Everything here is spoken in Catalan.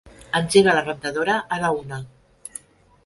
Engega la rentadora a la una.